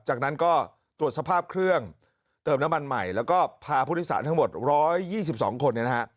จากนั้นก็ตรวจสภาพเครื่องเติมน้ำมันใหม่แล้วก็พาพุทธศาลทั้งหมด๑๒๒คน